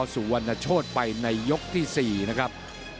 สุวรรณโชธไปในยกที่๔นะครับ